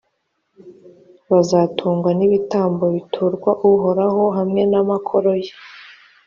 bazatungwa n’ibitambo biturwa uhoraho hamwe n’amakoro ye.